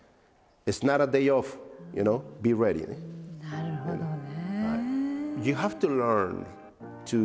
なるほどね。